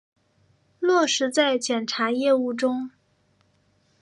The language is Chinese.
落实在检察业务中